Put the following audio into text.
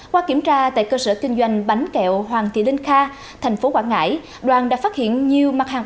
qua kiểm tra tại cơ sở kinh doanh bánh kẹo hoàng kỳ linh kha thành phố quảng ngãi đoàn đã phát hiện nhiều mặt hàng